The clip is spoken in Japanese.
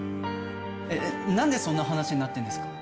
なんでそんな話になってるんですか？